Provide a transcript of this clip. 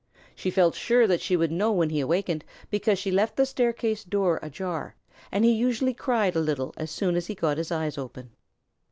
She felt sure that she would know when he awakened, because she left the staircase door ajar, and he usually cried a little as soon as he got his eyes open.